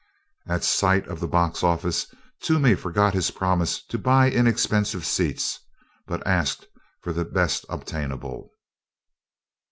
At sight of the box office Toomey forgot his promise to buy inexpensive seats, but asked for the best obtainable.